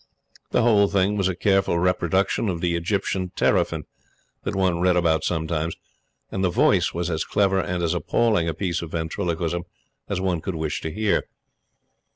The whole thing was a careful reproduction of the Egyptian teraphin that one read about sometimes and the voice was as clever and as appalling a piece of ventriloquism as one could wish to hear.